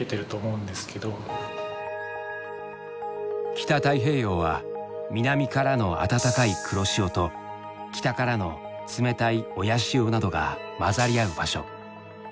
北太平洋は南からの暖かい黒潮と北からの冷たい親潮などが混ざり合う場所。